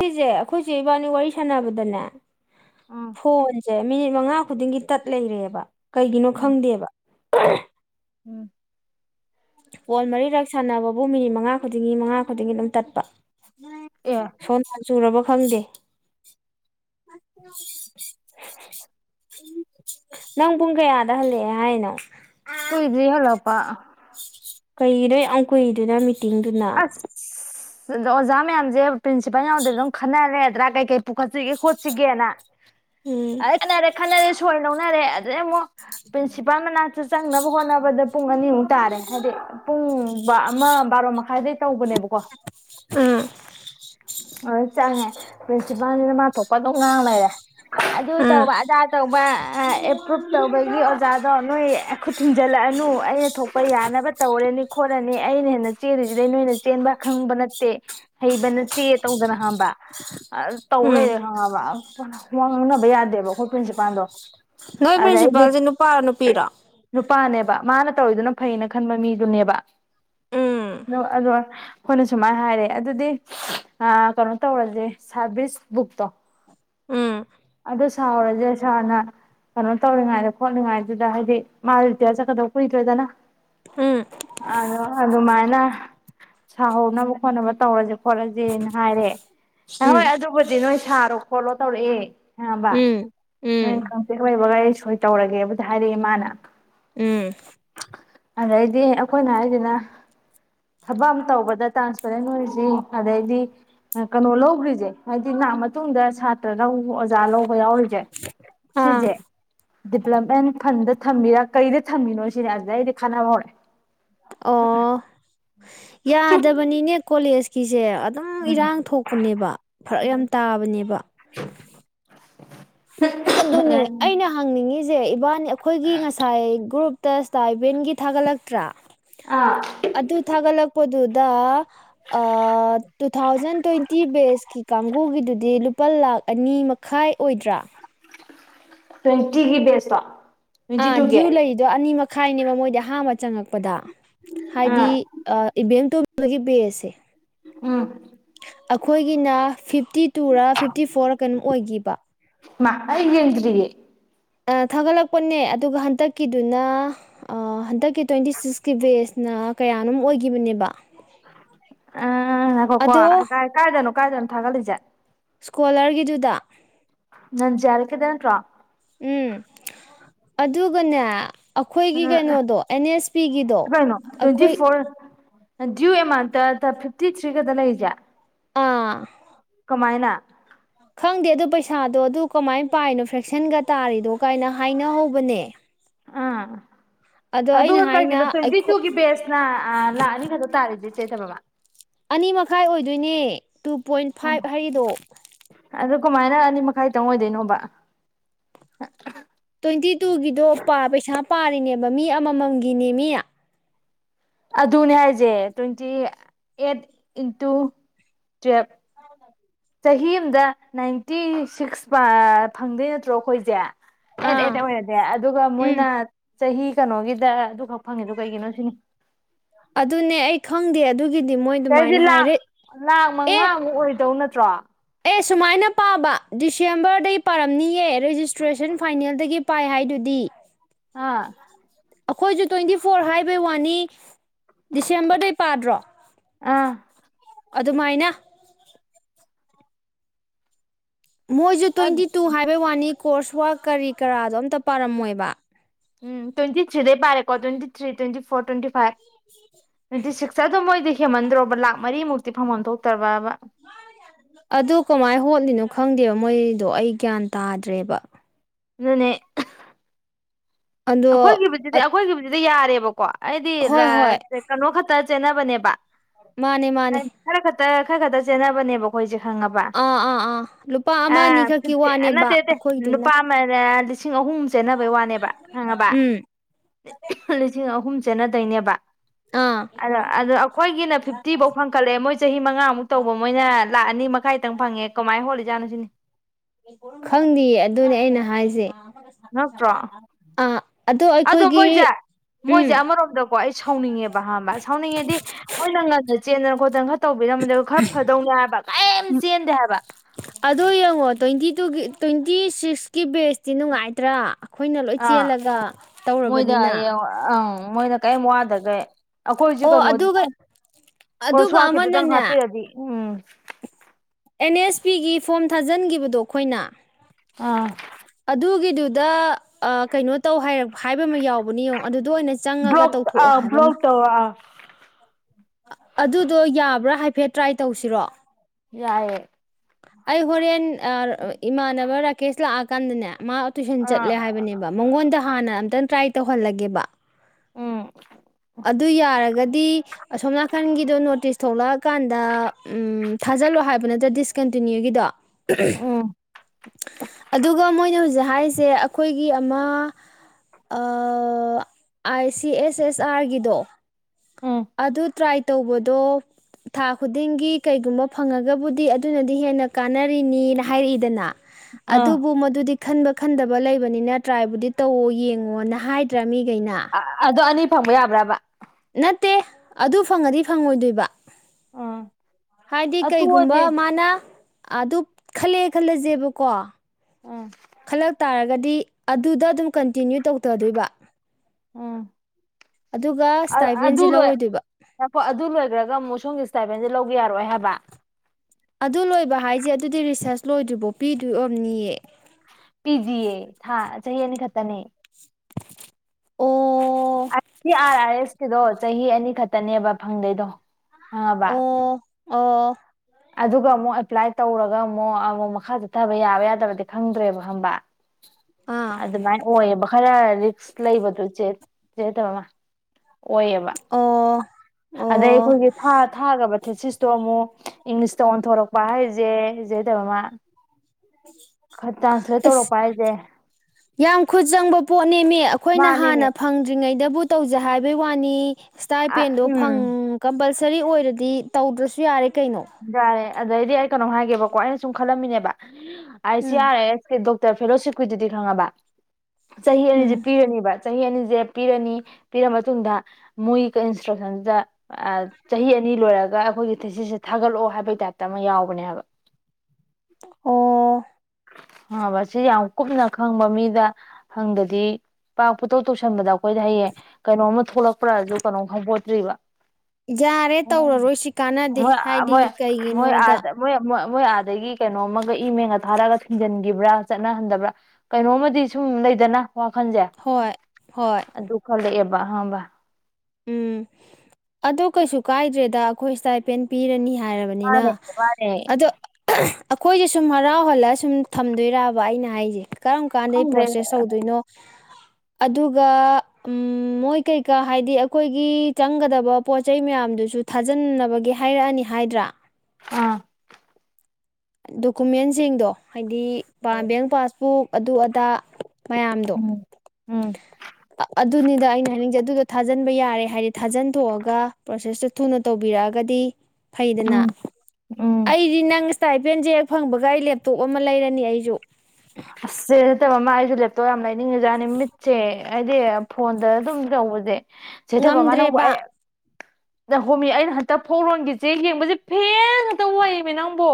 ꯁꯤꯁꯦ ꯑꯈꯣꯏꯁꯦ ꯏꯕꯥꯅꯤ ꯋꯥꯔꯤ ꯁꯥꯟꯅꯕꯗꯅꯦ ꯎꯝ ꯐꯣꯟꯁꯦ ꯃꯤꯅꯤꯠ ꯃꯉꯥ ꯈꯨꯗꯤꯡꯒꯤ ꯇꯠ ꯂꯩꯔꯦꯕ ꯀꯩꯒꯤꯅꯣ ꯎꯝ ꯈꯪꯗꯦꯕ ꯎꯝ ꯀꯣꯜ ꯃꯔꯤꯔꯛ ꯁꯥꯟꯅꯕꯕꯨ ꯃꯤꯅꯤꯠ ꯃꯉꯥ ꯈꯨꯗꯤꯡꯒꯤ ꯃꯉꯥ ꯈꯨꯗꯤꯡꯒꯤ ꯑꯗꯨꯝ ꯇꯠꯄ ꯑꯦ ꯁꯣꯝꯅ ꯆꯨꯔꯕ ꯈꯪꯗꯦ ꯅꯪ ꯄꯨꯡ ꯀꯌꯥꯗ ꯍꯜꯂꯛꯑꯦ ꯍꯥꯏꯅꯣ ꯀꯨꯏꯗ꯭ꯔꯤ ꯍꯜꯂꯛꯄ ꯀꯩꯒꯤꯅꯣ ꯌꯥꯝ ꯀꯨꯏꯗꯨꯅ ꯃꯤꯇꯤꯡꯗꯨꯅ ꯑꯗ ꯑꯣꯖꯥ ꯃꯌꯥꯝꯖꯦ ꯄ꯭ꯔꯤꯟꯁꯤꯄꯥꯟ ꯌꯥꯎꯗꯕꯤꯗ ꯑꯗꯨꯝ ꯈꯟꯅꯔꯦꯗ꯭ꯔꯥ ꯀꯩ ꯀꯩ ꯄꯨꯈꯠꯁꯤꯒꯦ ꯈꯣꯠꯁꯤꯒꯦꯅ [unintelligible] ꯑꯗꯩ ꯈꯠꯅꯔꯦ ꯈꯠꯅꯔꯦ ꯁꯣꯏ ꯂꯧꯅꯔꯦ ꯑꯗꯨꯗꯩ ꯑꯃꯨꯛ ꯄ꯭ꯔꯤꯟꯁꯤꯄꯥꯜ ꯃꯅꯥꯛ ꯗꯨ ꯆꯪꯅꯕ ꯍꯣꯠꯅꯕꯗ ꯄꯨꯡ ꯑꯅꯤꯃꯨꯛ ꯇꯥꯔꯦ ꯍꯥꯏꯗꯤ ꯄꯨꯡ ꯑꯃ ꯕꯥꯔꯣ ꯃꯈꯥꯏꯗꯩ ꯇꯧꯕꯅꯦꯕꯀꯣ ꯎꯝ ꯑꯗꯩ ꯆꯪꯉꯦ ꯄ꯭ꯔꯤꯟꯁꯤꯄꯥꯜꯁꯤꯅ ꯃꯥꯥꯅ ꯊꯣꯛꯄ ꯑꯗꯨꯝ ꯉꯥꯡ ꯂꯩꯔꯦ ꯑꯗꯨ ꯎꯝ ꯇꯧꯕ ꯑꯗꯥ ꯇꯧꯕ ꯑ ꯑꯦꯞ ꯄ꯭ꯔꯨꯞ ꯇꯧꯕꯒꯤ ꯑꯣꯖꯥꯗꯣ ꯅꯣꯏ ꯑ ꯈꯨꯠ ꯊꯤꯡꯖꯤꯜꯂꯛꯑꯅꯨ ꯑꯩꯅ ꯊꯣꯛꯄ ꯌꯥꯅꯕ ꯇꯧꯔꯅꯤ ꯈꯣꯠꯂꯅꯤ ꯑꯩꯅ ꯍꯦꯟꯅ ꯆꯦꯜꯂꯤꯖꯤꯗꯩ ꯅꯣꯏꯅ ꯆꯦꯟꯕ ꯈꯪꯕ ꯅꯠꯇꯦ ꯍꯩꯕ ꯅꯠ ꯇꯦ ꯇꯧꯗꯅ ꯍꯪꯉꯥꯕ ꯑꯗ ꯇꯧ ꯎꯝ ꯂꯩꯔꯦ ꯈꯪꯉꯥꯕ [unintelligible] ꯋꯥꯥꯉꯥꯡꯅꯕ ꯌꯥꯗꯦꯕ ꯑꯈꯣꯏ ꯄꯔꯤꯟꯁꯤꯄꯥꯟꯗꯣ ꯅꯣꯏ ꯄ꯭ꯔꯤꯟꯁꯤꯄꯥꯜꯖꯦ ꯅꯨꯄꯥꯔꯣ ꯅꯨꯄꯤꯔꯣ ꯅꯨꯄꯥꯅꯦꯕ ꯃꯥꯅ ꯇꯧꯔꯤꯗꯨꯅ ꯐꯩꯅ ꯈꯟꯕ ꯃꯤꯗꯨꯅꯦꯕ ꯎꯝ ꯑꯗꯨ ꯑꯗꯣ ꯑꯈꯣꯏꯅ ꯁꯨꯃꯥꯏꯅ ꯍꯥꯏꯔꯦ ꯑꯗꯨꯗꯤ ꯑꯥ ꯀꯅꯣ ꯇꯧꯔꯖꯦ ꯁꯥꯔꯕꯤꯁ ꯕꯨꯛ ꯇꯣ ꯎꯝ ꯑꯗꯨ ꯁꯥꯎꯔꯖꯦ ꯁꯥꯔꯅ ꯀꯩꯅꯣ ꯇꯧꯔꯤꯉꯥꯏꯗ ꯈꯣꯠꯂꯤꯉꯥꯏꯗꯨꯗ ꯍꯥꯏꯗꯤ ꯃꯥ ꯔꯤꯇꯌꯔ ꯆꯠꯀꯗꯧ ꯀꯨꯏꯗ꯭ꯔꯦꯗꯅ ꯎꯝ ꯑ ꯅꯦꯋꯥꯛ ꯑꯗꯨꯃꯥꯢꯅ ꯁꯥꯍꯧꯅꯕ ꯈꯣꯠꯅꯕ ꯇꯧꯔꯁꯦ ꯈꯣꯠꯂꯁꯦꯅ ꯍꯥꯏꯔꯦ ꯑꯍꯣꯏ ꯎꯝ ꯑꯗꯨꯕꯨꯗꯤ ꯅꯣꯏ ꯁꯥꯔꯣ ꯈꯣꯠꯂꯣ ꯇꯧꯔꯛꯑꯦ ꯈꯪꯉꯕ ꯎꯝ ꯍꯌꯦꯡ ꯎꯝ ꯍꯪꯆꯤꯠ ꯂꯩꯕꯒ ꯑꯩ ꯁꯣꯏ ꯇꯧꯔꯒꯦꯕꯨꯗꯤ ꯍꯥꯏꯔꯛꯑꯦ ꯃꯥꯅ ꯎꯝ ꯑꯗꯩꯗꯤ ꯑꯈꯣꯏꯅ ꯍꯥꯏꯁꯤꯅ ꯊꯕꯛ ꯑꯃ ꯇꯧꯕꯗ ꯇ꯭ꯔꯥꯟꯁꯄꯔꯦꯟ ꯑꯣꯏꯁꯤ ꯑꯗꯩꯗꯤ ꯀꯩꯅꯣ ꯂꯧꯈ꯭ꯔꯤꯁꯦ ꯍꯥꯏꯗꯤ ꯂꯥꯛꯑ ꯃꯇꯨꯡꯗ ꯁꯥꯇ꯭ꯔ ꯗ ꯑꯃꯨꯛ ꯑꯣꯖꯥ ꯂꯧꯕ ꯌꯥꯎꯔꯤꯁꯦ ꯑꯥ ꯁꯤꯖꯦ ꯗꯤꯕꯂꯞꯃꯦꯟ ꯐꯟꯗ ꯊꯝꯃꯤꯔꯥ ꯀꯩꯗ ꯊꯝꯃꯤꯅꯣ ꯁꯤꯅꯦ ꯑꯗꯨꯗꯩꯗꯤ ꯈꯟꯅꯕ ꯍꯧꯔꯦ ꯑꯣ ꯌꯥꯗꯕꯅꯤꯅꯦ ꯀꯣꯂꯦꯖꯀꯤꯁꯦ ꯑꯗꯨꯝ ꯏꯔꯥꯡ ꯊꯣꯛꯄꯅꯦꯕ ꯐꯔꯛ ꯌꯥꯝ ꯇꯥꯕꯅꯦꯕ [inaudible] ꯑꯗꯨꯅꯦ ꯑꯩꯅ ꯍꯪꯅꯤꯡꯉꯤꯁꯦ ꯏꯕꯥꯅꯤ ꯑꯩꯈꯣꯏꯒꯤ ꯉꯁꯥꯏ ꯁꯥꯏ ꯒ꯭ꯔꯨꯞꯇ ꯁ꯭ꯇꯥꯏꯕꯦꯟꯒꯤ ꯊꯥꯒꯠꯂꯛꯇ꯭ꯔꯥ ꯑꯥ ꯑꯗꯨ ꯊꯥꯂꯛꯄꯗꯨꯗ ꯇꯨ ꯊꯥꯎꯖꯟ ꯇ꯭ꯋꯦꯟꯇꯤ ꯕꯦꯁꯀꯤ ꯀꯥꯡꯕꯨꯒꯤꯗꯨꯗꯤ ꯂꯨꯄꯥ ꯂꯥꯛ ꯑꯅꯤꯃꯛ ꯈꯥꯏ ꯑꯣꯏꯗ꯭ꯔꯥ ꯇ꯭ꯋꯦꯟꯇꯤꯒꯤ ꯕꯦꯁꯇꯣ ꯇ꯭ꯋꯦꯟꯇꯤ ꯑꯥ ꯗ꯭ꯌꯨ ꯇꯨꯒꯤ ꯂꯩꯔꯤꯗꯣ ꯑꯅꯤ ꯃꯈꯥꯏꯅꯦꯕ ꯃꯣꯏꯗ ꯑꯍꯥꯟꯕ ꯆꯪꯉꯛꯄꯗ ꯍꯥꯏꯗꯤ ꯏꯚꯦꯝ ꯑꯦꯝ ꯇꯣꯗꯒꯤ ꯄꯦꯁꯦ ꯎꯝ ꯑꯩꯈꯣꯏꯒꯤꯅ ꯐꯤꯞꯇꯤ ꯇꯨꯔꯥ ꯐꯤꯞꯇꯤ ꯐꯣꯔ ꯀꯩꯅꯣꯝ ꯑꯣꯏꯒꯤꯕ ꯃꯥ ꯑꯩ ꯌꯦꯡꯗ꯭ꯔꯤꯑꯦ ꯊꯥꯒꯠꯂꯛꯄꯅꯦ ꯑꯗꯨꯒ ꯍꯟꯗꯛꯀꯤꯗꯨꯅ ꯍꯟꯗꯛꯀꯤ ꯇ꯭ꯋꯦꯟꯇꯤ ꯁꯤꯛꯁꯀꯤ ꯕꯦꯖꯅ ꯀꯌꯥꯅꯣꯝ ꯑꯣꯏꯒꯤꯕꯅꯦꯕ ꯑꯝ ꯉꯥꯏꯈꯣꯀꯣ ꯑꯗꯣ ꯀꯥꯏ ꯀꯥꯏꯗꯅꯣ ꯀꯥꯏꯗꯅꯣ ꯊꯒꯠꯂꯤꯖꯦ ꯁ꯭ꯀꯣꯂꯔꯒꯤꯗꯨꯗ ꯅꯟꯖꯦꯜ ꯀꯗꯦꯟ꯭ꯔꯥ ꯎꯝ ꯑꯗꯨꯒꯅꯦ ꯑꯩꯈꯣꯏꯒꯤ ꯀꯩꯅꯣꯗꯣ ꯑꯦꯟ ꯑꯦꯁ ꯄꯤꯒꯤꯗꯣ ꯑꯩꯈꯣꯏ ꯍꯜ ꯗ꯭ꯌꯨ ꯑꯦꯃꯥꯎꯟꯇ ꯐꯤꯐꯇꯤ ꯊ꯭ꯔꯤꯒꯗ ꯂꯩꯔꯤꯁꯦ ꯑꯥ ꯀꯃꯥꯏꯅ ꯈꯪꯗꯦ ꯑꯗꯨ ꯄꯩꯁꯥꯗꯣ ꯑꯗꯨ ꯀꯃꯥꯏ ꯄꯥꯏꯅꯣ ꯐ꯭ꯔꯦꯛꯁꯟꯒ ꯇꯥꯔꯤꯗꯣ ꯀꯥꯏꯅ ꯍꯥꯏꯅꯍꯧꯕꯅꯦ [inaudible] ꯑ ꯑꯗꯣ ꯑꯗꯨ ꯑꯩꯅ ꯍꯥꯏꯅ ꯀꯒꯤꯅ ꯇ꯭ꯋꯦꯟꯇꯤꯨ ꯑꯩꯈꯣꯏ ꯒꯤꯦꯁ ꯑ ꯂꯥꯛꯑꯅꯤ ꯈꯗꯣ ꯇꯥꯔꯤꯁꯦ ꯆꯦ ꯊꯕꯃ ꯑꯅꯤ ꯃꯈꯥꯏ ꯑꯣꯏꯗꯣꯏꯅꯦ ꯇꯨ ꯄꯣꯏꯟ ꯎꯝ ꯐꯥꯏꯚ ꯍꯥꯏꯔꯤꯗꯣ ꯑꯗꯨ ꯀꯃꯥꯏꯅ ꯑꯅꯤ ꯃꯈꯥꯏ ꯇꯪ ꯑꯣꯏꯗꯣꯏꯅꯣꯕ ꯇ꯭ꯋꯦꯟꯇꯤ ꯇꯨꯒꯤꯗꯣ ꯄꯩꯁꯥ ꯄꯥꯔꯤꯅꯦꯕ ꯃꯤ ꯑꯃꯃꯝꯒꯤꯅꯦ ꯃꯤ ꯑꯗꯨꯅꯦ ꯍꯥꯏꯁꯦ ꯇ꯭ꯋꯦꯟꯇꯤ ꯑꯩꯠ ꯏꯟꯇꯨ ꯇꯨꯋꯦꯜꯐ ꯍ ꯂ ꯆꯍꯤ ꯑꯃꯝꯗ ꯅꯥꯏꯟꯇꯤ ꯁꯤꯛꯁ ꯐꯪꯗꯣꯏ ꯅꯠꯇ꯭ꯔꯣ ꯑꯩꯈꯣꯏꯁꯦ ꯑꯦ ꯑꯥ [inaudible] ꯑꯣꯏꯔꯗꯦ ꯑꯗꯨꯒ ꯎꯝ ꯃꯣꯏꯅ ꯆꯍꯤ ꯀꯩꯅꯣꯒꯤꯗ ꯑꯗꯨꯈꯛ ꯐꯪꯉꯤꯗꯨ ꯀꯩꯒꯤꯅꯣ ꯁꯤꯅꯤ ꯑꯗꯨꯅꯦ ꯑꯩ ꯈꯪꯗꯦ ꯑꯗꯨꯒꯤꯗꯤ ꯃꯣꯏ ꯁꯤꯗꯤ ꯑꯗꯨꯃꯥꯏꯅ ꯂꯥꯛ ꯍꯥꯏꯔꯦ ꯂꯥꯛ ꯑꯦ ꯃꯉꯥꯃꯨꯛ ꯑꯣꯏꯗꯧ ꯅꯠꯇ꯭ꯔꯣ ꯑꯦ ꯁꯨꯃꯥꯏꯅ ꯄꯥꯕ ꯗꯤꯁꯦꯝꯕꯔꯗꯩ ꯄꯥꯔꯝꯅꯤꯌꯦ ꯔꯦꯖꯤꯁꯇ꯭ꯔꯦꯁꯟ ꯐꯥꯏꯅꯦꯜꯗꯒꯤ ꯄꯥꯏ ꯍꯥꯏꯗꯨꯗꯤ ꯑꯥ ꯑꯩꯈꯣꯏꯁꯨ ꯇ꯭ꯋꯦꯟꯇꯤ ꯐꯣꯔ ꯍꯥꯏꯕꯩ ꯋꯥꯅꯤ ꯗꯤꯁꯦꯝꯕꯔꯗꯤ ꯄꯥꯗ꯭ꯔꯣ ꯑꯥ ꯑꯗꯨꯃꯥꯏꯅ ꯃꯣꯏꯁꯨ ꯇ꯭ꯋꯦꯟꯇꯤ ꯇꯨ ꯍꯥꯏꯕꯩ ꯋꯥꯅꯤ ꯀꯣꯔꯁ ꯋꯥ ꯀꯔꯤ ꯀꯔꯥꯗꯣ ꯑꯝꯇ ꯄꯥꯔꯝꯃꯣꯏꯕ ꯎꯝ ꯇ꯭ꯦꯟꯇꯤ ꯊ꯭ꯔꯤ ꯄꯔꯣ twenty three twenty four twenty five twenty six ꯑꯗꯨꯝ ꯃꯣꯏꯗꯤ ꯍꯦꯝꯃꯟꯗ꯭ꯔꯣꯕ ꯂꯥꯛ ꯃꯔꯤꯃꯨꯛꯇꯤ ꯐꯝꯐꯝꯟ ꯊꯣꯛꯇ꯭ꯔꯕꯕ ꯑꯗꯨ ꯀꯃꯥꯏ ꯍꯣꯠꯂꯤꯅꯣ ꯈꯪꯗꯦꯕ ꯃꯣꯏꯗꯣ ꯑꯩ ꯒ꯭ꯌꯥꯟ ꯇꯥꯗ꯭ꯔꯦꯕ [inaudible] ꯑꯗꯣ ꯑꯩꯈꯣꯏꯒꯤꯕꯨꯖꯤꯗꯤ ꯑꯩꯈꯣꯏꯒꯤꯕꯨꯖꯤꯗꯤ ꯌꯥꯔꯦꯕꯀꯣ ꯑꯩꯗꯤ ꯍꯣꯏ ꯍꯣꯏ ꯀꯩꯅꯣ ꯈꯛꯇ ꯆꯦꯟꯅꯕꯅꯦꯕ ꯃꯥꯅꯦ ꯃꯥꯅꯦ ꯍꯥꯏꯗꯤ ꯈꯔ ꯈꯛꯇ ꯈꯔ ꯈꯛꯇ ꯆꯦꯟꯅꯕꯅꯦꯕ ꯍꯣꯏꯁꯦ ꯈꯪꯉꯕ ꯑꯥ ꯑꯥ ꯑꯥ ꯂꯨꯄꯥ ꯑ ꯑꯃ ꯑꯅꯤꯈꯛꯀꯤ ꯐꯤꯇꯤ ꯋꯥꯅꯦꯕ ꯅꯠꯇꯦ ꯅꯠꯇꯦ ꯑꯩꯈꯣꯏꯗꯨꯅ ꯅꯨꯄꯥ ꯀꯃꯥꯏꯅ ꯂꯤꯁꯤꯡ ꯑꯍꯨꯝ ꯁꯦꯟꯅꯕꯩ ꯋꯥꯅꯦꯕ ꯍꯪꯉꯕ ꯎꯝ ꯂꯤꯁꯤꯡ ꯑꯍꯨꯝ ꯆꯦꯟꯅꯗꯣꯏꯅꯦꯕ ꯑꯥ ꯑꯗꯣ ꯑꯗ ꯑꯩꯈꯣꯏꯒꯤꯅ ꯐꯤꯐꯇꯤ ꯐꯧ ꯐꯪꯒꯠꯂꯛꯑꯦ ꯃꯣꯏ ꯆꯍꯤ ꯃꯉꯥꯃꯨꯛ ꯇꯧꯕ ꯃꯣꯏꯅ ꯂꯥꯛ ꯑꯅꯤ ꯃꯈꯥꯏꯗꯪ ꯐꯪꯉꯦ ꯀꯃꯥꯏꯅ ꯍꯣꯠꯂꯤꯖꯥꯠꯅꯣ ꯁꯤꯅꯤ ꯈꯪꯗꯤꯌꯦ ꯑꯗꯨꯅꯦ ꯑꯩꯅ ꯍꯥꯏꯖꯦ ꯅꯠꯇ꯭ꯔꯣ ꯑ ꯑꯗꯣ ꯑꯩꯈꯣꯏꯒꯤ ꯎꯝ ꯀꯣ ꯑꯩ ꯁꯥꯎꯅꯤꯡꯉꯦꯕ ꯑꯍꯥꯟꯕ ꯁꯥꯎꯅꯤꯡꯉꯦꯗꯤ ꯃꯅ ꯉꯟꯅ ꯆꯦꯟꯗꯅ ꯈꯣꯠꯇꯅ ꯈ ꯇꯧꯕꯤꯔꯝꯃꯗ ꯈꯔ ꯐꯗꯧꯅꯤ ꯍꯥꯏꯕ ꯀꯔꯤꯝ ꯆꯦꯟꯗꯦ ꯍꯥꯏꯕ ꯑꯗꯨ ꯌꯦꯡꯉꯣ ꯇ꯭ꯋꯦꯟꯇꯤ ꯇꯨꯒꯤ ꯇ꯭ꯋꯦꯟꯇꯤ ꯁꯤꯛꯁꯀꯤ ꯕꯦꯖꯇꯤ ꯅꯨꯡꯉꯥꯏꯇ꯭ꯔꯥ ꯑꯩꯈꯣꯏꯅ ꯂꯣꯏ ꯑꯥ ꯆꯦꯜꯂꯒ ꯃꯣꯏꯗ ꯇꯧꯔꯕꯅꯤꯅ ꯌꯦꯡꯉꯣ ꯑꯪ ꯃꯣꯏꯅ ꯀꯦꯝ ꯋꯥꯗꯒꯩ ꯑꯩꯈꯣꯏꯁꯦ ꯑꯣ ꯑꯗꯨꯒ ꯀꯩꯅꯣꯗꯨꯇꯪ ꯀꯣ ꯑꯗꯨꯒ ꯁ꯭ꯀꯤꯗꯨꯇꯪ ꯑꯃꯅꯅꯦ ꯍꯥꯞꯄꯤꯔꯗꯤ ꯎꯝ ꯑꯦꯟ ꯑꯦꯁ ꯄꯤꯒꯤ ꯐꯣꯝ ꯊꯥꯖꯤꯟꯒꯤꯕꯗꯣ ꯈꯣꯏꯅ ꯑꯥ ꯑꯗꯨꯒꯤꯗꯨꯗ ꯀꯩꯅꯣ ꯇꯧ ꯍꯥꯏꯔꯛ ꯍꯥꯏꯕ ꯑꯃ ꯌꯥꯎꯕꯅꯤ ꯌꯦꯡꯉꯣ ꯑꯗꯨꯗ ꯑꯣꯏꯅ ꯆꯪꯉꯒ ꯕ꯭ꯂꯣꯛ ꯇꯧꯊꯣꯛꯑꯣ ꯑꯥ ꯍꯥꯏꯕ ꯕ꯭ꯂꯣꯛ ꯑꯃ ꯇꯧꯔ ꯑꯥ ꯑꯗꯨꯗꯣ ꯌꯥꯕ꯭ꯔꯥ ꯍꯥꯏꯐꯦꯠ ꯇ꯭ꯔꯥꯏ ꯇꯧꯁꯤꯔꯣ ꯌꯥꯎꯑꯦ ꯑꯩ ꯍꯣꯔꯦꯟ ꯏꯃꯥꯟꯅꯕ ꯔꯥꯀꯦꯁ ꯂꯥꯛꯑꯀꯥꯟꯗꯅꯦ ꯃꯥ ꯇꯨꯏꯁꯟ ꯑꯥ ꯆꯠꯂꯦ ꯍꯥꯏꯕꯅꯦꯕ ꯃꯉꯣꯟꯗ ꯍꯥꯟꯅ ꯑꯝꯇꯪ ꯇ꯭ꯔꯥꯏ ꯇꯧꯍꯜꯂꯒꯦꯕ ꯎꯝ ꯑꯗꯨ ꯌꯥꯔꯒꯗꯤ ꯑꯁꯣꯝ ꯅꯥꯀꯟꯒꯤꯗꯣ ꯅꯣꯇꯤꯁ ꯊꯣꯛꯂꯛꯑꯀꯥꯟꯗ ꯊꯥꯖꯜꯂꯣ ꯍꯥꯏꯕ ꯅꯠꯇ꯭ꯔꯣ ꯗꯤꯁꯀꯟꯇꯤꯅ꯭ꯌꯨꯒꯤꯗꯣ ꯎꯝ ꯑꯗꯨꯒ ꯃꯣꯏꯅ ꯍꯧꯖꯤꯛ ꯍꯥꯏꯔꯤꯁꯦ ꯑꯩꯈꯣꯏꯒꯤ ꯑꯃ ꯑꯥꯏ ꯁꯤ ꯑꯦꯁ ꯑꯦꯁ ꯆꯥꯔꯒꯤꯗꯣ ꯎꯝ ꯑꯗꯨ ꯇ꯭ꯔꯥꯏ ꯇꯧꯕꯗꯣ ꯊꯥ ꯈꯨꯗꯤꯡꯒꯤ ꯀꯩꯒꯨꯝꯕ ꯐꯪꯉꯒꯕꯨꯗꯤ ꯑꯗꯨꯅꯗꯤ ꯍꯦꯟꯅ ꯀꯥꯟꯅꯔꯤꯅꯤꯅ ꯍꯥꯏꯔꯛꯏꯗꯅ ꯑꯥ ꯑꯗꯨꯕꯨ ꯃꯗꯨꯗꯤ ꯈꯟꯕ ꯈꯟꯗꯕ ꯂꯩꯕꯅꯤꯅ ꯇ꯭ꯔꯥꯏꯕꯨꯗꯤ ꯇꯧꯋꯣ ꯌꯦꯡꯉꯣꯅ ꯍꯥꯏꯗ꯭ꯔꯥ ꯃꯤꯈꯩꯅ ꯑꯗꯥ ꯑꯅꯤ ꯐꯪꯕ ꯌꯥꯕ꯭ꯔꯥꯕ ꯅꯠꯇꯦ ꯑꯗꯨ ꯐꯪꯉꯗꯤ ꯐꯪꯉꯣꯏꯗꯣꯏꯕ ꯎꯝ ꯍꯥꯏꯗꯤ ꯑ ꯀꯩꯒꯨꯝꯕ ꯇꯣꯛꯑꯁꯦ ꯃꯥꯅ ꯑꯗꯨ ꯈꯜꯂꯑꯦ ꯈꯜꯂꯁꯦꯕꯀꯣ ꯎꯝ ꯈꯜꯂꯛ ꯇꯥꯔꯒꯗꯤ ꯑꯗꯨꯗ ꯑꯗꯨꯝ ꯀꯟꯇꯤꯅ꯭ꯌꯨ ꯇꯧꯊꯗꯣꯏꯕ ꯎꯝ ꯑꯗꯨꯒ ꯑꯗꯨ ꯏꯁꯇꯥꯏꯄꯦꯟꯁꯦ ꯂꯧꯔꯣꯏꯗꯣꯏꯕ ꯆꯄꯣ ꯑꯗꯨ ꯂꯣꯏꯈ꯭ꯔꯒ ꯑꯃꯨꯛ ꯁꯣꯝꯒꯤ ꯏꯁꯇꯥꯏꯕꯦꯟꯁꯦ ꯂꯧꯕ ꯌꯥꯔꯣꯏ ꯍꯥꯏꯕ ꯑꯗꯨ ꯂꯣꯏꯕ ꯍꯥꯏꯁꯦ ꯑꯗꯨꯗꯤ ꯔꯤꯁꯥꯔꯖ ꯂꯣꯏꯗ꯭ꯔꯤꯕꯣ ꯄꯤꯗꯣꯏ ꯑꯣꯏꯌꯝꯅꯤꯌꯦ ꯄꯤꯗꯤꯌꯦ ꯊꯥ ꯆꯍꯤ ꯑꯅꯤ ꯈꯛꯇꯅꯦ ꯑꯣ ꯁꯤ ꯑꯥꯔ ꯑꯥꯔ ꯑꯦꯁ ꯀꯗꯣ ꯆꯍꯤ ꯑꯅꯤ ꯈꯛꯇꯅꯦꯕ ꯐꯪꯗꯣꯏꯗꯣ ꯍꯪꯉꯕ ꯑꯣ ꯑꯣ ꯑꯗꯨꯒ ꯑꯃꯨꯛ ꯑꯦꯄ꯭ꯂꯥꯏ ꯇꯧꯔꯒ ꯑꯃꯨꯛ ꯑꯃꯨꯛ ꯃꯈꯥ ꯆꯠꯊꯕ ꯌꯥꯕ ꯌꯥꯗꯕꯗꯤ ꯈꯪꯗ꯭ꯔꯦꯕ ꯍꯕꯥ ꯑꯥ ꯑꯗꯨ ꯃꯥꯏ ꯑꯣꯏꯌꯦꯕ ꯈꯔ ꯔꯤꯛꯁ ꯂꯩꯕꯗꯣ ꯆꯦꯠꯇꯕ ꯑꯃ ꯑꯣꯏꯌꯦꯕ ꯑꯣ ꯑꯗꯥꯏ ꯑꯣ ꯈꫭꯏꯒꯦ ꯊꯥ ꯊꯥꯒꯕ ꯊꯦꯠꯁꯤꯁꯇꯣ ꯑꯃꯨꯛ ꯏꯪꯂꯤꯁꯇ ꯑꯣꯟꯊꯣꯔꯛꯄ ꯍꯥꯏꯁꯦꯖꯩꯗꯕ ꯑꯃ ꯍꯥꯏ [unintelligible] ꯈꯔ ꯇ꯭ꯔꯥꯟꯁꯂꯦꯠ ꯇꯧꯔꯛꯄ ꯍꯥꯏꯁꯦ ꯌꯥꯝ ꯈꯨꯠ ꯆꯪꯕ ꯄꯣꯠꯅꯦꯃꯤ ꯑꯩꯈꯣꯏꯅ ꯃꯥꯅꯦꯃꯦ ꯍꯥꯟꯅ ꯐ ꯐꯪꯗ꯭ꯔꯤꯉꯩꯗꯕꯨ ꯇꯧꯖꯩ ꯍꯥꯏꯕꯩ ꯋꯥꯅꯤ ꯁ꯭ꯇꯥꯥꯏ ꯑ ꯄꯦꯟꯗꯣ ꯎꯝ ꯀꯝꯄꯜꯁꯔꯤ ꯑꯣꯏꯔꯗꯤ ꯇꯧꯗ꯭ꯔꯁꯨ ꯌꯥꯔꯦ ꯀꯩꯅꯣ ꯌꯥꯔꯦ ꯑꯗꯩꯗꯤ ꯑꯩ ꯀꯩꯅꯣ ꯍꯥꯏꯒꯦꯕꯀꯣ ꯑꯩꯅ ꯁꯨꯝ ꯈꯜꯂꯝꯃꯤꯅꯦꯕ I C um R A ꯑꯦꯁꯀꯤ ꯐꯦꯂꯣꯁꯤꯞꯀꯤꯗꯨꯗꯤ ꯈꯪꯉꯕ ꯆꯍꯤ ꯑꯅꯤꯁꯤ ꯎꯝ ꯄꯤꯔꯅꯤꯕ ꯆꯍꯤ ꯑꯅꯤꯁꯦ ꯄꯤꯔꯅꯤ ꯄꯤꯔ ꯃꯇꯨꯡꯗ ꯃꯣꯏ ꯏꯟꯁꯇ꯭ꯔꯛꯁꯟꯁꯤꯗ ꯆꯍꯤ ꯑꯅꯤ ꯂꯣꯏꯔꯒ ꯑꯩꯈꯣꯏꯒꯤ ꯊꯩꯁꯤꯁꯦ ꯊꯥꯒꯠꯂꯛꯑꯣ ꯍꯥꯏꯕꯩ ꯇꯥꯏꯞꯇ ꯑꯃ ꯌꯥꯎꯕꯅꯦꯕ ꯑꯣ ꯍꯥ ꯃꯁꯤ ꯌꯥꯝ ꯀꯨꯞꯅ ꯈꯪꯕ ꯃꯤꯗ ꯍꯪꯗꯗꯤ ꯄꯥꯛ ꯄꯨꯇꯣꯛ ꯇꯧꯁꯟꯕꯗ ꯑꯩꯈꯣꯏꯗ ꯍꯌꯦꯡ ꯀꯩꯅꯣꯝ ꯊꯣꯛꯂꯛꯄ꯭ꯔꯥ ꯑꯗꯨ ꯀꯩꯅꯣꯝ ꯈꯪꯕꯣꯠꯇ꯭ꯔꯤꯕ ꯌꯥꯔꯦ ꯇꯧꯔꯔꯣꯏꯁꯤ ꯀꯥꯟꯅꯗꯦ ꯍꯥꯏꯗꯤ ꯀꯩꯒꯤꯅꯣꯗ ꯃꯣꯏꯣꯏ ꯃꯣꯏ ꯑꯥꯗꯒꯤ ꯀꯩꯅꯣꯝ ꯑꯃꯒ ꯏꯃ‌ꯦꯟꯒ ꯊꯥꯔꯛꯑꯒ ꯊꯤꯡꯖꯤꯟꯈꯤꯕ꯭ꯔꯥ ꯆꯠꯅꯍꯟꯗꯕ꯭ꯔꯥ ꯀꯩꯅꯣꯝꯃꯗꯤ ꯁꯨꯝ ꯂꯩꯗꯅ ꯋꯥꯈꯜꯁꯦ ꯍꯣꯏ ꯍꯣꯏ ꯑꯗꯨ ꯈꯜꯂꯛꯑꯦꯕ ꯈꯝꯕ ꯎꯝ ꯑꯗꯣ ꯀꯩꯁꯨ ꯀꯥꯏꯗ꯭ꯔꯦꯗ ꯑꯩꯈꯣꯏ ꯏꯁ꯭ꯇꯏꯄꯦꯟ ꯄꯤꯔꯅꯤ ꯍꯥꯏꯔ ꯅꯤꯅ ꯃꯥꯅꯦ ꯃꯥꯅꯦ ꯑꯗꯣ ꯑꯩꯈꯣꯏꯁꯦ ꯁꯨꯝ ꯍꯔꯥꯎ ꯍꯜꯂ ꯁꯨꯝ ꯊꯝꯗꯣꯏꯔꯕ ꯑꯩꯅ ꯍꯥꯏꯁꯦ ꯀꯔꯝ ꯀꯥꯟꯗꯩ ꯈꯪꯗꯦ ꯄ꯭ꯔꯣꯁꯦꯁ ꯇꯧꯗꯣꯏꯅꯣ ꯑꯗꯨꯒ ꯃꯣꯏ ꯀꯩꯀꯥ ꯍꯥꯏꯗꯤ ꯑꯩꯈꯣꯏꯒꯤ ꯆꯪꯒꯗꯕ ꯄꯣꯠ ꯆꯩꯩ ꯃꯌꯥꯝꯗꯨꯁꯨ ꯊꯥꯖꯟꯅꯕꯒꯤ ꯍꯥꯏꯔꯛꯑꯅꯤ ꯍꯥꯏꯗ꯭ꯔꯥ ꯑꯥ ꯗꯣꯀꯨꯃꯦꯟꯁꯤꯡꯗꯣ ꯍꯥꯏꯗꯤ ꯕꯦꯡ ꯄꯥꯁꯕꯨꯛ ꯑꯗꯨ ꯑꯗꯥ ꯃꯌꯥꯝꯗꯣ ꯎꯝ ꯎꯝ ꯑꯗꯨꯅꯤꯗ ꯑꯩꯅ ꯍꯥꯏꯅꯤꯡꯖꯩ ꯑꯗꯨꯗꯣ ꯊꯥꯖꯟꯕ ꯌꯥꯔꯦ ꯍꯥꯏꯗꯤ ꯊꯥꯖꯟꯊꯣꯛꯑꯒ ꯄ꯭ꯔꯣꯁꯦꯁꯇꯨ ꯊꯨꯅ ꯇꯧꯕꯤꯔꯛꯑꯒꯗꯤ ꯐꯩꯗꯅ ꯎꯝ ꯎꯝ ꯑꯩꯗꯤ ꯅꯪ ꯏꯁꯇꯥꯏꯄꯦꯟ ꯖꯦꯛ ꯐꯪꯕꯒ ꯑꯩ ꯂꯦꯞꯇꯣꯞ ꯑꯃ ꯂꯩꯔꯅꯤ ꯑꯩꯁꯨ ꯑꯁꯦ ꯅꯇ ꯃꯃꯥ ꯑꯩꯁꯨ ꯂꯦꯞꯇꯣ ꯌꯥꯝ ꯂꯩꯅꯤꯡꯉꯖꯥꯠꯅꯤꯃꯤꯠꯁꯦ ꯑꯩꯗꯤ ꯐꯣꯟꯗ ꯑꯗꯨꯝ ꯇꯧꯕꯁꯦ ꯁꯦꯊꯕ ꯑꯃ ꯅꯪꯕꯨ ꯉꯝꯗ꯭ꯔꯦꯕ ꯑꯩ ꯉꯥ ꯍꯣꯃꯤ ꯑꯩꯅ ꯍꯟꯇ ꯐꯧ ꯂꯣꯟꯒꯤꯁꯦ ꯌꯦꯡꯕꯁꯦ ꯐꯦꯟ ꯍꯛꯇ ꯋꯥꯏꯌꯦꯃꯦ ꯅꯪꯕꯣ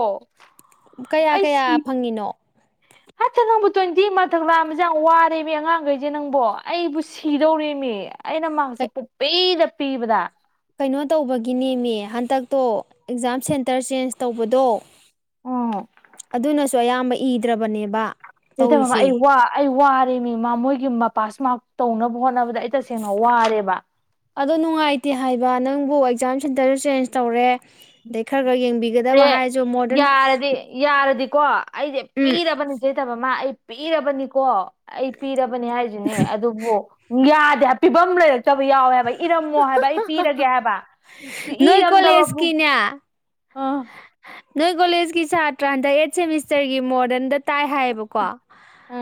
ꯀꯌꯥ ꯀꯌꯥ ꯐꯪꯉꯤꯅꯣ ꯑꯠꯇ ꯅꯪꯕꯨ ꯇ꯭ꯋꯦꯟꯇꯤ ꯃꯊꯛ ꯂꯥꯛꯑꯥꯟꯕꯁꯦ ꯌꯥꯝ ꯋꯥꯔꯦꯃꯤ ꯑꯉꯥꯡꯈꯩꯁꯦ ꯅꯪꯕꯨꯣ ꯑꯩꯕꯨ ꯁꯤꯗꯧꯔꯦꯅꯦ ꯑꯩꯅ ꯃꯥꯛꯁꯦ ꯄꯨꯄꯤꯗ ꯄꯤꯕꯗ ꯀꯩꯅꯣ ꯇꯧꯕꯒꯤꯅꯦ ꯃꯤ ꯍꯟꯗꯛꯇꯣ ꯑꯦꯛꯖꯥꯝ ꯁꯦꯟꯇꯔ ꯆꯦꯟꯖ ꯇꯧꯕꯗꯣ ꯎꯝ ꯑꯗꯨꯅꯁꯨ ꯑꯌꯥꯝꯕ ꯏꯗ꯭ꯔꯕꯅꯦꯕ ꯆꯗ ꯃꯃ ꯇꯧꯔꯤꯁꯦ ꯑꯩ ꯋꯥ ꯑꯩ ꯋꯥꯔꯦ ꯃꯤꯃ ꯃꯣꯏꯒꯤꯨꯝꯕ ꯄꯥꯁ ꯃꯥꯔꯛ ꯇꯧꯅꯕ ꯍꯣꯠꯅꯕꯗ ꯑꯩ ꯇꯁꯦꯡꯅ ꯋꯥꯔꯦꯕ ꯑꯗꯣ ꯅꯨꯡꯉꯥꯏꯇꯦ ꯍꯥꯏꯕ ꯅꯪꯕꯨ ꯑꯦꯛꯖꯥꯝ ꯁꯦꯟꯇꯔꯗ ꯆꯦꯟꯖ ꯇꯧꯔꯦ ꯑꯗꯩ ꯈꯔ ꯈꯔ ꯌꯦꯡꯕꯤꯒꯗꯕ ꯑꯦ ꯍꯥꯏꯔꯁꯨ ꯃꯣꯗꯔꯟ ꯌꯥꯔꯗꯤ ꯌꯥꯔꯗꯤꯀꯣ ꯑꯩꯁꯦ ꯎꯝ ꯄꯤꯔꯕꯅꯤꯆꯇꯕ ꯃꯥ ꯑꯩ ꯄꯤꯔꯕꯅꯤꯀꯣ ꯑꯩ ꯄꯤꯔꯕꯅꯦ ꯍꯥꯏꯁꯤꯅꯦ ꯑꯗꯨꯕꯨ ꯌꯥꯗꯦ ꯄꯤꯐꯝ ꯂꯩꯔ ꯆꯆꯕ ꯌꯥꯎꯋꯦ ꯍꯥꯏꯕ ꯏꯔꯝꯃꯣ ꯍꯥꯏꯕ ꯑꯩ ꯄꯤꯔꯒꯦ ꯍꯥꯏꯕ ꯁꯤ ꯏꯔꯝꯗꯕꯕꯨ ꯀꯌꯥ ꯑꯥ ꯅꯣꯏ ꯀꯣꯂꯦꯖꯀꯤ ꯁꯥꯇ꯭ꯔ ꯍꯟꯗ ꯑꯩꯠ ꯁꯦꯃꯤꯁꯇꯔꯒꯤ ꯃꯣꯗꯔꯟꯗ ꯇꯥꯏ ꯍꯥꯏꯌꯦꯕꯀꯣ ꯑ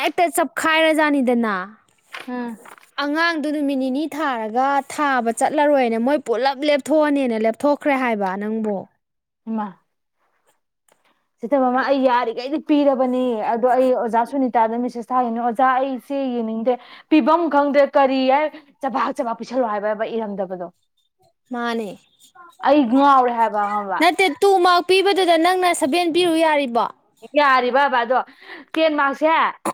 ꯍꯦꯛꯇ ꯆꯞꯈꯥꯏꯔꯖꯥꯠꯅꯤꯗꯅ ꯎꯝ ꯑꯉꯥꯡꯗꯨ ꯅꯨꯃꯤꯠ ꯅꯤꯅꯤ ꯊꯥꯔꯒ ꯊꯥꯕ ꯆꯠꯂꯔꯣꯏꯅ ꯃꯣꯏ ꯄꯨꯂꯞ ꯂꯦꯞꯊꯣꯛꯑꯅꯤꯅ ꯂꯦꯞꯊꯣꯛ ꯀꯈ꯭ꯔꯦ ꯍꯥꯏꯕ ꯅꯪꯕꫭ ꯏꯃꯥ ꯁꯤꯇ ꯃꯃꯥ ꯑꯩ ꯌꯥꯔꯤꯈꯩꯗꯤ ꯄꯤꯔꯕꯅꯤ ꯑꯗꯣ ꯑꯩ ꯑꯣꯖꯥꯁꯨ ꯇꯥꯗ ꯃꯦꯁꯦꯁ ꯊꯥꯒꯅꯤ ꯑꯣꯖꯥ ꯑꯩꯁꯦ ꯌꯦꯡꯅꯤꯡꯗꯦ ꯄꯤꯐꯝ ꯈꯪꯗ꯭ꯔꯦ ꯀꯔꯤ ꯍꯥꯏꯏ ꯆꯕꯥꯛ ꯆꯕꯥꯛ ꯄꯤꯤꯁꯜꯂꯣ ꯍꯥꯏꯕꯕ ꯏꯔꯝꯗꯕꯗꯣ ꯃꯥꯅꯦ ꯑꯩ ꯉꯥꯎꯔꯦ ꯍꯥꯏꯕ ꯈꯪꯕ ꯅꯠꯇꯦ ꯇꯨ ꯃꯥꯔꯛ ꯄꯤꯕꯗꯨꯗ ꯅꯪꯅ ꯁꯚꯦꯟ ꯄꯤꯔꯨ ꯌꯥꯔꯤꯕꯣ ꯌꯥꯔꯤꯕ ꯕꯕꯥ ꯑꯗꯣ ꯇꯦꯟ ꯃꯥꯔꯛꯁꯦ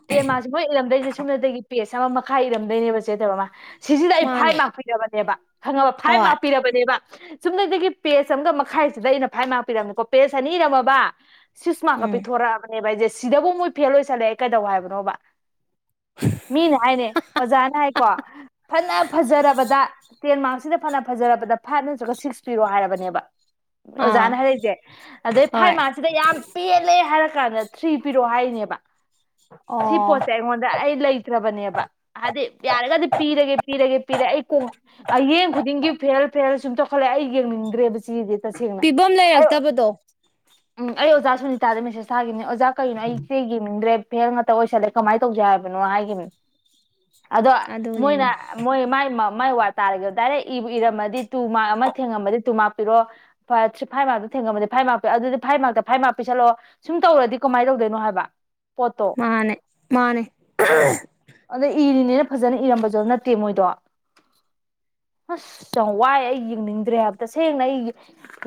ꯇꯦꯟ ꯃꯥꯁꯦ ꯃꯣꯏ ꯏꯔꯝꯗꯣꯏꯁꯦ ꯁꯣꯨꯝꯅꯗꯒꯤ ꯄꯦꯁ ꯑꯃ ꯃꯈꯥ ꯏꯔꯝꯗꯣꯏꯅꯦꯕ ꯆꯦꯗꯕ ꯃꯥ ꯁꯤꯁꯤꯗ ꯑꯩ ꯐꯥꯏꯚ ꯃꯥꯅꯦ ꯃꯥꯔꯛ ꯄꯤꯔꯕꯅꯦꯕ ꯈꯪꯉꯕ ꯐꯥꯏꯚ ꯍꯣꯏ ꯃꯥꯔꯛ ꯄꯤꯔꯕꯅꯦꯕ ꯁꯨꯝꯗꯒꯤ ꯄꯦꯖ ꯑꯃꯒ ꯃꯈꯥꯏꯁꯤꯗ ꯑꯩꯅ ꯐꯥꯏꯚ ꯃꯥꯔ ꯄꯤꯔꯝꯅꯤꯀꯣ ꯄꯦꯖ ꯑꯅꯤ ꯏꯔꯝꯃꯕ ꯁꯤꯛ ꯎꯝ ꯄꯤꯊꯣꯔꯛꯑꯕꯅꯦꯕ ꯑꯩꯁꯦ ꯁꯤꯗꯕꯨ ꯃꯣꯏ ꯐꯦꯜ ꯑꯣꯏꯁꯜꯂꯛꯦ ꯀꯩꯗꯧ ꯍꯥꯏꯕꯅꯣꯕ ꯃꯤꯅꯦ ꯍꯥꯏꯅꯦ ꯑꯣꯖꯥꯅ ꯍꯥꯏꯀꯣ ꯐꯅ ꯐꯖꯔꯕꯗ ꯇꯦꯟ ꯃꯥꯛꯁꯤꯗ ꯐꯅ ꯐꯖꯔꯕꯗ ꯐꯥꯏꯚ ꯅꯠꯇ꯭ꯔꯒ ꯁꯤꯛꯁ ꯄꯤꯔꯣ ꯍꯥꯏꯔꯕꯅꯦꯕ ꯑꯥ ꯑꯣꯖꯥꯅ ꯍꯥꯏꯔꯛꯏꯁꯦ ꯑꯗꯩ ꯐꯥꯏ ꯍꯣꯏ ꯃꯥꯁꯤꯗ ꯌꯥꯝ ꯄꯦꯟ ꯆꯠꯂꯦ ꯍꯥꯏꯔ ꯀꯥꯟꯗ ꯊ꯭ꯔꯤ ꯄꯤꯔꯛꯑꯣ ꯍꯥꯏꯅꯦꯕ ꯁꯤ ꯑꯣ ꯄꯣꯠꯁꯦ ꯑꯩꯉꯣꯟꯗ ꯑꯩ ꯂꯩ ꯄꯤꯔꯕꯅꯦꯕ ꯍꯥꯏꯗꯤ ꯌꯥꯔꯒꯗꯤ ꯄꯤꯔꯒꯦ ꯄꯤꯔꯒꯦ ꯄꯤꯔꯒꯦ ꯑꯩ ꯀꯣꯡ ꯑꯌꯦꯌꯦꯡ ꯈꯨꯗꯤꯡꯒꯤ ꯐꯦꯜ ꯐꯦꯅ ꯁꯨꯝ ꯊꯣꯛꯈꯠꯂ‌ꯦ ꯑꯩ ꯌꯦꯡꯅꯤꯡꯗ꯭ꯔꯦꯕ ꯁꯤꯗꯤ ꯇꯁꯦꯡꯅ ꯄꯤꯐꯝ ꯑꯩ ꯂꯩꯔꯛꯇꯕꯗꯣ ꯎꯝ ꯑꯩ ꯑꯣꯖꯥ ꯁꯨꯅꯤꯇꯥꯗ ꯃꯦꯁꯦꯁ ꯊꯥꯈꯤꯕꯅꯤ ꯑꯣꯖꯥ ꯀꯔꯤꯅꯣ ꯑꯩꯁꯦ ꯌꯦꯡꯅꯤꯡꯗ꯭ꯔꯦ ꯐꯦꯜ ꯉꯥꯛ ꯑꯣꯏꯁꯜꯂꯦ ꯀꯃꯥꯏꯅ ꯇꯧꯖꯦ ꯍꯥꯏꯕꯅꯣ ꯍꯥꯏꯒꯤꯅꯤ ꯑꯗꯣ ꯃꯣꯏꯅ ꯑꯗꯨꯅꯤꯅꯦ ꯃꯣꯏ ꯃꯥꯏ ꯃꯥꯏ ꯋꯥ ꯇꯥꯔꯒꯦ ꯗꯥꯏꯔꯦꯛ ꯏꯔꯝꯃꯗꯤ ꯇꯨ ꯑꯃ ꯊꯦꯡꯉꯝꯃꯗꯤ ꯇꯨ ꯃꯥꯛꯄꯤꯔꯣ ꯐꯥꯏꯚ ꯃꯥꯔꯛꯇ ꯊꯦꯡꯉꯝꯅꯤ ꯐꯥꯏꯚ ꯃꯥꯤ ꯑꯗꯨꯗꯤ ꯐꯚ ꯐꯥꯏꯚ ꯄꯩꯁꯜꯂꯛꯑꯣ ꯁꯨꯝ ꯇꯧꯔꯗꯤ ꯀꯃꯥꯏꯅ ꯇꯧꯗꯣꯏꯅꯣ ꯍꯥꯏꯕ ꯄꯣꯠꯇꯣ ꯃꯥꯅꯦ ꯃꯥꯅꯦ ꯑꯗ ꯏꯔꯤꯅꯦꯅ ꯐꯖꯅ ꯏꯔꯝꯕꯁꯨ ꯅꯠꯇꯦ ꯃꯣꯏꯗꯣ ꯑꯁ ꯌꯥꯝ ꯋꯥꯏ ꯑꯩ ꯌꯦꯡꯅꯤꯡꯗ꯭ꯔꯦ ꯍꯥꯏꯕ ꯇꯁꯦꯡꯅ ꯑꯩ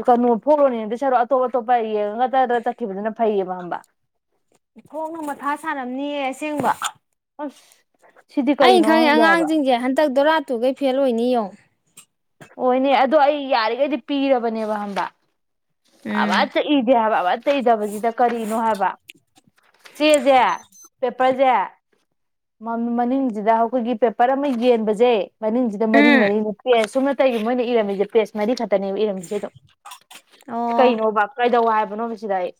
ꯀꯩꯅꯣ ꯐꫭꯛꯂꯣꯟ ꯌꯦꯡꯗꯩ ꯁꯔꯨ ꯑꯇꯣꯞ ꯑꯇꯣꯞꯄ ꯌꯦꯡꯉꯒ ꯖꯔ ꯖꯌ ꯆꯠꯈꯤꯕꯗꯨꯅ ꯐꯩꯌꯦꯕ ꯑꯝꯕ ꯏꯊꫭꯛꯅ ꯃꯊꯥ ꯁꯥꯔꯝꯅꯤꯌꯦ ꯑꯁꯦꯡꯕ ꯑꯁ ꯁꯤꯗꯤ ꯑꯩꯅ ꯀꯩꯅꯣ ꯈꯪꯏ ꯈꯪꯗꯦ ꯍꯥꯏꯕ ꯑꯉꯥꯡꯁꯤꯡꯁꯦ ꯍꯟꯗꯛ ꯗꯣꯔꯥꯇꯨꯈꯩ ꯐꯦꯜ ꯑꯣꯏꯅꯤ ꯌꯦꯉꯣ ꯍꯣꯏꯅꯦ ꯑꯗꯣ ꯑꯩ ꯌꯥꯔꯤꯈꯩꯗꯤ ꯄꯤꯔꯕꯅꯦꯕ ꯍꯝꯕ ꯎꯝ ꯑꯃꯇ ꯏꯗꯦ ꯍꯥꯏꯕ ꯑꯃꯇ ꯏꯗꯕꯁꯤꯗ ꯀꯔꯤꯅꯣ ꯍꯥꯏꯕ ꯆꯦꯁꯦ ꯄꯦꯄꯔꯁꯦ ꯃꯅꯤꯡꯁꯤꯗ ꯑꯩꯈꯣꯏꯒꯤ ꯄꯦꯄꯔ ꯑꯃ ꯌꯦꯟꯕꯁꯦ ꯃꯅꯤꯡꯁꯤꯗ ꯃꯔꯤ ꯎꯝ ꯃꯔꯤ ꯅꯠꯇꯦ ꯁꯨꯝꯅ ꯇꯩꯒꯤ ꯃꯣꯏꯅ ꯏꯔꯝꯃꯤꯁꯦ ꯄꯦꯁ ꯃꯔꯤ ꯐꯛꯇꯅꯦꯕ ꯏꯔꯝꯃꯤꯁꯦ ꯑꯗꯨꯝ ꯑꯣ ꯀꯩꯅꯣꯕ ꯀꯩꯗꯧ ꯍꯥꯏꯕꯅꯣ ꯁꯤꯗ ꯑꯩ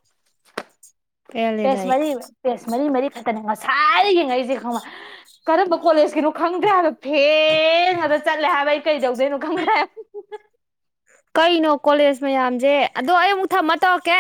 ꯄꯦꯜꯂꯦꯗ ꯄꯦꯁ ꯑꯩ ꯃꯔꯤ ꯄꯦꯁ ꯃꯔꯤ ꯃꯔꯤ ꯈꯠꯇꯅꯦ ꯉꯁꯥꯏꯅ ꯌꯦꯡꯉꯛꯏꯁꯦ ꯀꯔꯝꯕ ꯀꯣꯂꯦꯖꯀꯤꯅꯣ ꯈꯪꯗ꯭ꯔꯦ ꯍꯥꯏꯕ ꯐꯦꯜ ꯐꯦꯜ ꯉꯥꯛꯇ ꯆꯠꯂꯦ ꯍꯥꯏꯕ ꯑꯩ ꯀꯩꯗꯧꯗꯣꯏꯅꯣ ꯈꯪꯗ꯭ꯔꯦ ꯀꯩꯅꯣ ꯀꯣꯂꯦꯖ ꯃꯌꯥꯝꯁꯦ ꯑꯗꯣ ꯑꯩ ꯑꯃꯨꯛ ꯊꯝꯃ ꯇꯧꯔꯛꯀꯦ